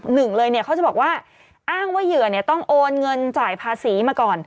หนึ่งเลยเนี่ยเขาจะบอกว่าอ้างว่าเหยื่อต้องโอนเงินจ่ายภาษีมาก่อน